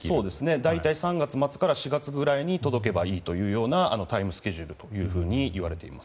大体、３月末から４月に届けばいいというタイムスケジュールといわれています。